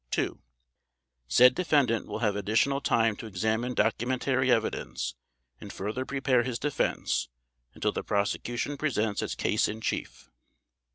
(2) Said defendant will have additional time to examine documentary evidence and further prepare his defense until the Prosecution presents its Case in Chief.